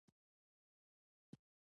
د انټرنیټ خدمات چټک او ارزانه وي.